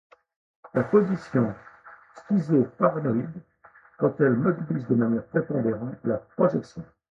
La position schizo-paranoïde quant à elle mobilise de manière prépondérante la projection.